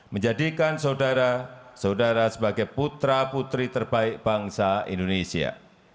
menjadikan saudara saudara sebagai putra putri terbaik bangsa indonesia